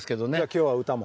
今日は歌も？